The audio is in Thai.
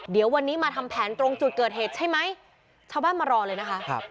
เดี๋ยววันนี้มาทำแผนตรงจุดเกิดเหตุใช่ไหมชาวบ้านมารอเลยนะคะครับ